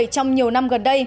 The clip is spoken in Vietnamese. trong nhiều năm